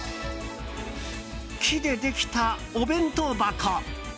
木でできたお弁当箱。